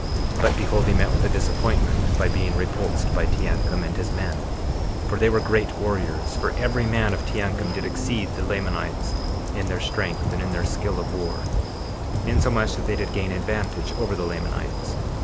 51:31 But behold he met with a disappointment by being repulsed by Teancum and his men, for they were great warriors; for every man of Teancum did exceed the Lamanites in their strength and in their skill of war, insomuch that they did gain advantage over the Lamanites.